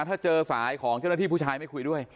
ถ้าเจอสายของเจ้าหน้าที่ผู้ชายไม่คุยด้วย